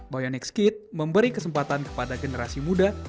bionic kit memberi kesempatan kepada generasi muda